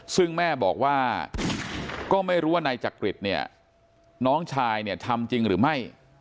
ซึ่งแม่บอกว่าก็ไม่รู้ว่านายจักริตเนี่ยน้องชายเนี่ยทำจริงหรือไม่